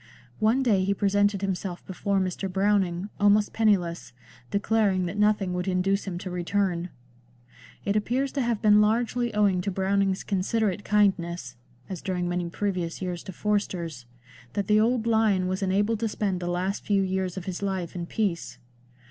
One day he presented himself before Mr. Browning, almost penniless, declaring that nothing would induce him to return. It appears to have been largely owing to Browning's considerate kindness (as during many previous years to Forster's) that the old lion was enabled to spend the last few years of his life in peace.